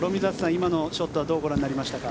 今のショットはどうご覧になりましたか？